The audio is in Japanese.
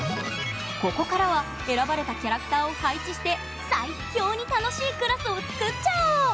ここからは選ばれたキャラクターを配置して最強に楽しいクラスを作っちゃおう！